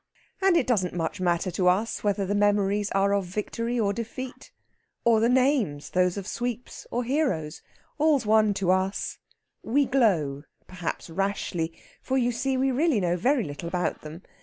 And it doesn't much matter to us whether the memories are of victory or defeat, or the names those of sweeps or heroes. All's one to us we glow; perhaps rashly, for, you see, we really know very little about them.